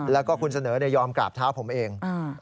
แล้วก็คุณเสนอยอมกราบเท้าผมเอง